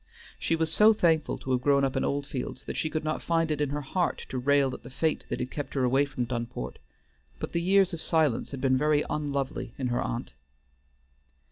She was so thankful to have grown up in Oldfields that she could not find it in her heart to rail at the fate that had kept her away from Dunport; but the years of silence had been very unlovely in her aunt.